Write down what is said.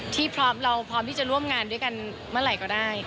ที่เราพร้อมที่จะร่วมงานบับตรงเวลาก็ได้